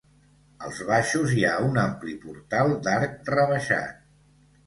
Als baixos hi ha un ampli portal d'arc rebaixat.